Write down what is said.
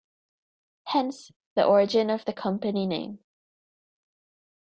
Hence, the origin of the company name.